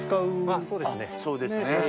そうですね。